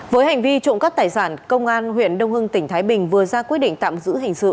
với hành vi trộm cắp tài sản công an huyện đông hưng tỉnh thái bình vừa ra quyết định tạm giữ hình sự